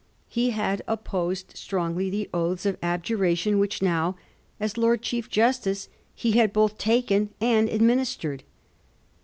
He had opposed strongly the oaths of abjuration which now, as Lord Chief Justice, he had both taken and administered.